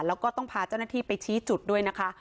แล้วก็ต้องพาเจ้าหน้าที่ไปชี้จุดด้วยนะคะ